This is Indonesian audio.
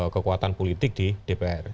kekuatan politik di dpr